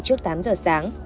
trong bốn giờ sáng